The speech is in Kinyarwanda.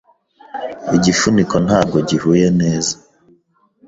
Igifuniko ntabwo gihuye neza.